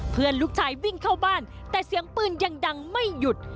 เพื่อนลูกชายวิ่งเข้าบ้านแต่เสียงปืนยังดังไม่หยุด